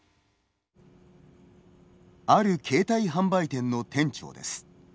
ある携帯販売店の店長です。